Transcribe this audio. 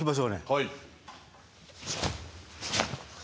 はい。